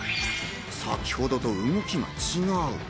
先ほどと動きが違う。